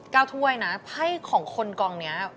ก้าวถ้วยนะไภของคนกองนี้